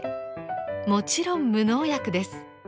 もちろん無農薬です。